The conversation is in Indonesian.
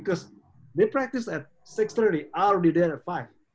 karena mereka berlatih pada enam tiga puluh saya sudah ada pada lima